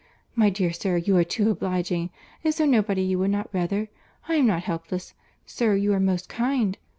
My dear sir, you are too obliging.—Is there nobody you would not rather?—I am not helpless. Sir, you are most kind.